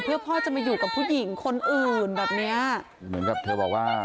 เหมือนแบบเธอบอกว่า